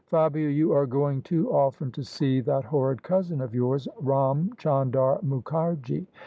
Fabia, you are going too often to see that horrid cousin of yours. Ram Chandar Mukharji.